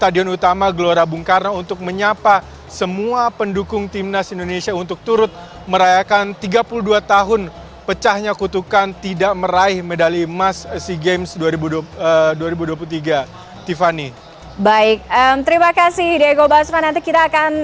dan juga mereka akan berakhir